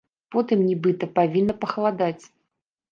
Потым, нібыта, павінна пахаладаць.